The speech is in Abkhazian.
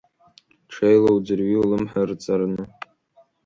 Ҽеила уӡырҩи, улымҳа ырҵарны…